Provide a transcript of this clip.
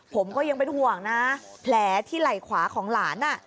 ผมก็ยังเป็นห่วงนะแผลที่ไหล่ขวาของหลาน